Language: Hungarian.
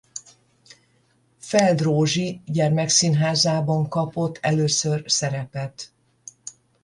Feld Rózsi gyermekszínházában kapott először szerepet.